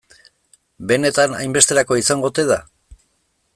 Benetan hainbesterako izango ote da?